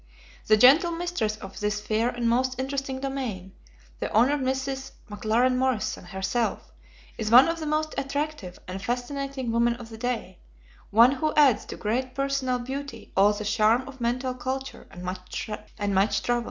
The gentle mistress of this fair and most interesting domain, the Hon. Mrs. McLaren Morrison herself, is one of the most attractive and fascinating women of the day one who adds to great personal beauty all the charm of mental culture and much travel.